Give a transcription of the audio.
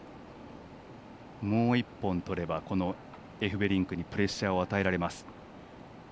もう１本とればこのエフベリンクにプレッシャーを与えられます。